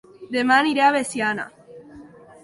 Dema aniré a Veciana